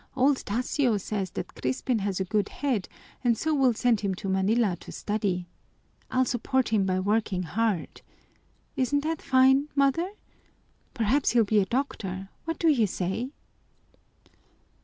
Old Tasio says that Crispin has a good head and so we'll send him to Manila to study. I'll support him by working hard. Isn't that fine, mother? Perhaps he'll be a doctor, what do you say?"